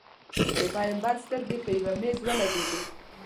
د پېغمبر سترګې په یوې مېږې ولګېدې.